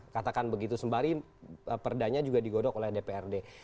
katakan begitu sembari perdanya juga digodok oleh dprd